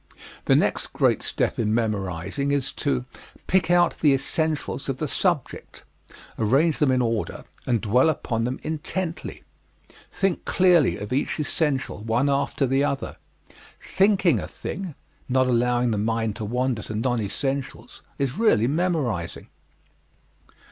The next great step in memorizing is to pick out the essentials of the subject, arrange them in order, and dwell upon them intently. Think clearly of each essential, one after the other. Thinking a thing not allowing the mind to wander to non essentials is really memorizing.